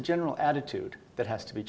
dari segala struktur yang perlu diubah